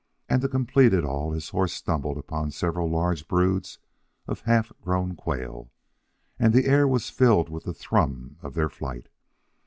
And to complete it all his horse stumbled upon several large broods of half grown quail, and the air was filled with the thrum of their flight.